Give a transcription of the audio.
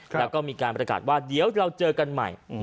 แล้วก็มีการประกาศว่าเดี๋ยวเราเจอกันใหม่